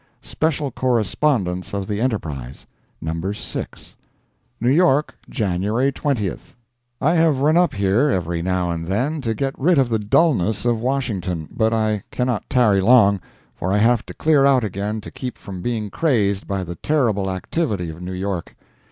(SPECIAL CORRESPONDENCE OF THE ENTERPRISE) [NUMBER VI.] NEW YORK, January 20 I have run up here every now and then to get rid of the dullness of Washington; but I cannot tarry long, for I have to clear out again to keep from being crazed by the terrible activity of New York.